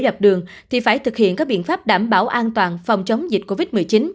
dập đường thì phải thực hiện các biện pháp đảm bảo an toàn phòng chống dịch covid một mươi chín